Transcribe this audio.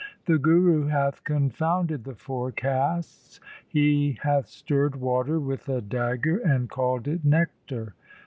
The Guru hath confounded the four castes. He hath stirred water with a dagger and called it nectar.